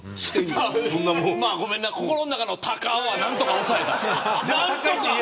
ごめんな心の中の高っは何とか抑えた。